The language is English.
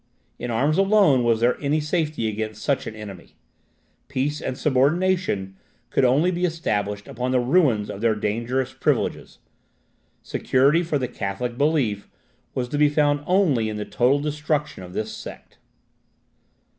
In arms alone was there any safety against such an enemy peace and subordination could be only established upon the ruins of their dangerous privileges; security for the Catholic belief was to be found only in the total destruction of this sect.